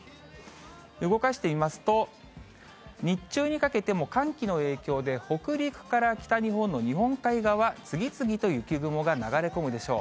動かしてみますと、日中にかけても寒気の影響で、北陸から北日本の日本海側、次々と雪雲が流れ込むでしょう。